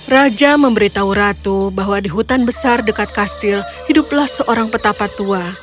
raja memberitahu ratu bahwa di hutan besar dekat kastil hiduplah seorang petapa tua